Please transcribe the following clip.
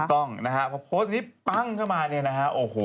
ต้องนะฮะพอโพสต์นี้ปั้งเข้ามาเนี่ยนะฮะโอ้โห